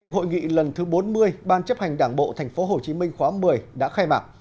hội nghị lần thứ bốn mươi ban chấp hành đảng bộ tp hcm khóa một mươi đã khai mạc